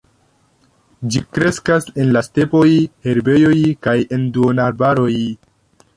Ĝi kreskas en la stepoj, herbejoj kaj en duonarbaroj.